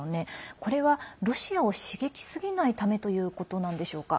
これはロシアを刺激しすぎないためということなんでしょうか？